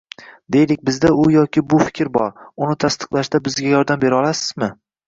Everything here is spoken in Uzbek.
Deylik, bizda u yoki bu fikr bor, uni tasdiqlashda bizga yordam berolasizmi?